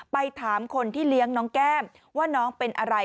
ไปถามคนที่เลี้ยงน้องแก้มว่าน้องเป็นอะไร